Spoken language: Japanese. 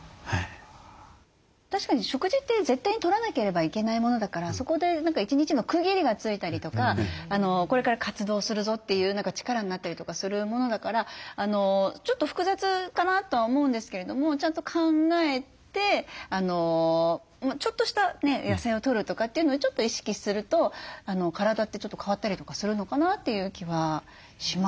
確かに食事って絶対にとらなければいけないものだからそこで一日の区切りがついたりとかこれから活動するぞっていう力になったりとかするものだからちょっと複雑かなとは思うんですけれどもちゃんと考えてちょっとした野菜をとるとかっていうのをちょっと意識すると体ってちょっと変わったりとかするのかなという気はしますね。